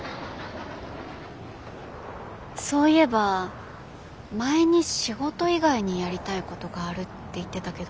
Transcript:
そういえば前に仕事以外にやりたいことがあるって言ってたけど。